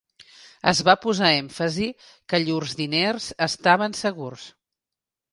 Es va posar èmfasi que llurs diners estaven segurs.